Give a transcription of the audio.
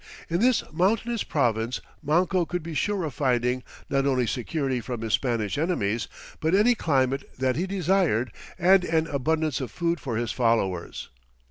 In this mountainous province Manco could be sure of finding not only security from his Spanish enemies, but any climate that he desired and an abundance of food for his followers.